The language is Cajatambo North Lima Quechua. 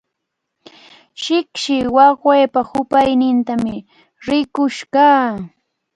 Shipshi wawqiipa hupaynintami rirqush kaa.